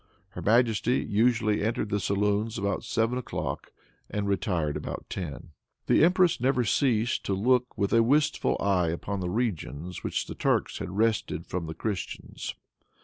Her majesty usually entered the saloons about seven o'clock, and retired about ten. The empress never ceased to look with a wistful eye upon the regions which the Turks had wrested from the Christians.